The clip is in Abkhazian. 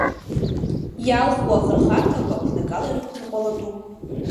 Иалху ахырхарҭақәа қәнагала ирықәныҟәалатәуп.